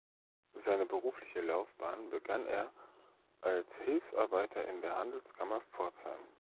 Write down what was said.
Seine berufliche Laufbahn begann er als Hilfsarbeiter in der Handelskammer Pforzheim.